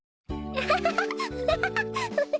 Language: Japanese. アハハハ！